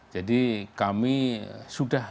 jadi kami sudah